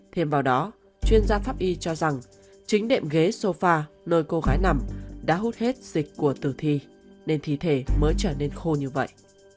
thêm vào đó chuyên gia pháp y cho rằng chính đệm ghế sofa lôi cô gái nằm đã hút hết dịch của tử thi nên thi thể mới trở nên khô như vậy